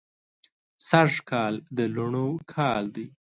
سږ کال د لوڼو کال دی